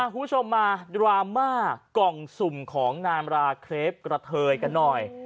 คุณผู้ชมมาดราม่ากล่องสุ่มของนามราเครปกระเทยกันหน่อย